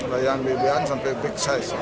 layangan bebean sampai big size